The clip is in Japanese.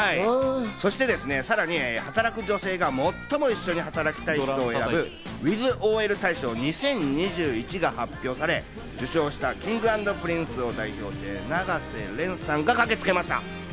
さらに働く女性が最も一緒に働きたい人を選ぶ「ｗｉｔｈ−ＯＬ大賞２０２１−」が発表され、受賞したＫｉｎｇ＆Ｐｒｉｎｃｅを代表して永瀬廉さんが駆けつけました。